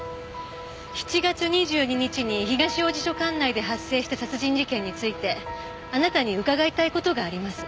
７月２２日に東王子署管内で発生した殺人事件についてあなたに伺いたい事があります。